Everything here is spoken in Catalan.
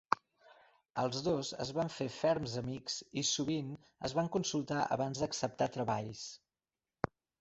Els dos es van fer ferms amics i sovint es van consultar abans d'acceptar treballs.